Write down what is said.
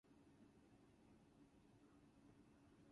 The film received positive critical reception.